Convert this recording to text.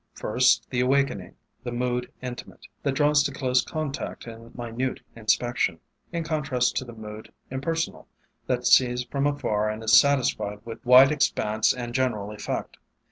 First the awakening, the mood inti mate, that draws to close contact and minute in spection, in contrast to the mood impersonal, that sees from afar and is satisfied with wide expanse and general effect.